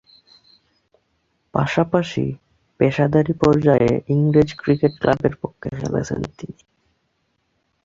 পাশাপাশি, পেশাদারী পর্যায়ে ইংরেজ ক্রিকেট ক্লাবের পক্ষে খেলেছেন তিনি।